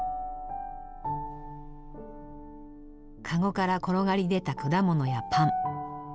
かごから転がり出た果物やパン。